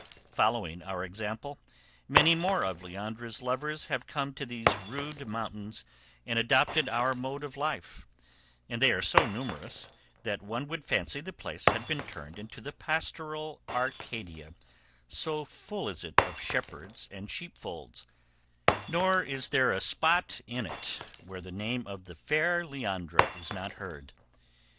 Following our example, many more of Leandra's lovers have come to these rude mountains and adopted our mode of life, and they are so numerous that one would fancy the place had been turned into the pastoral Arcadia, so full is it of shepherds and sheep folds; nor is there a spot in it where the name of the fair Leandra is not heard.